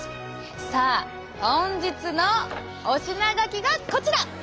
さあ本日のお品書きがこちら！